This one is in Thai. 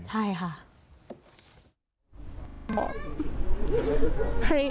ใช่ค่ะ